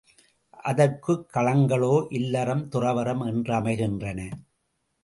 அதற்குக் களங்களே இல்லறம், துறவறம் என்றமைகின்றன.